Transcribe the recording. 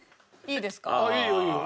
いいよいいよ。